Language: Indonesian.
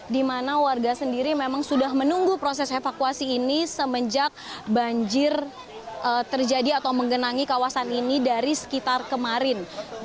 di mana warga sendiri memang sudah menunggu proses evakuasi ini semenjak banjir terjadi atau menggenangi kawasan ini dari sekitar kemarin